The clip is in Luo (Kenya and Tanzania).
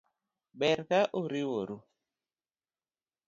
Ber ka uriuru